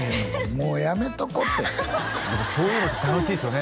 もうやめとこってでもそういうのって楽しいですよね